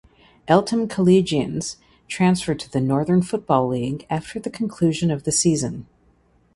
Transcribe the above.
Eltham Collegians transferred to the Northern Football League after the conclusion of the season.